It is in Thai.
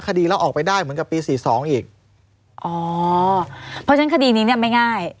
เราออกไปได้เหมือนกับปีสี่สองอีกอ๋อเพราะฉะนั้นคดีนี้เนี้ยไม่ง่าย